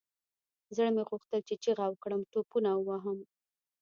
زړه مې غوښتل چې چيغه وكړم ټوپونه ووهم.